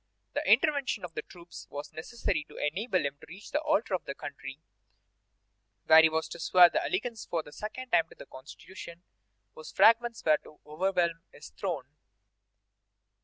The intervention of the troops was necessary to enable him to reach the Altar of the Country, where he was to swear allegiance for the second time to the Constitution whose fragments were to overwhelm his throne.